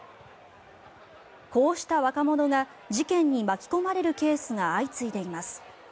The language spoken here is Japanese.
こうした若者が事件に巻き込まれるケースが相次いでいます。